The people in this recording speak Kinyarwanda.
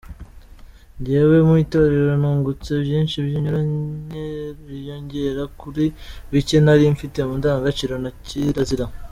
Njyewe mu itorero nungutse byinshi byiyongera kuri bicye nari mfite mu ndangagaciro na kirazira.